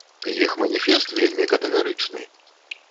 Іх маніфест вельмі катэгарычны.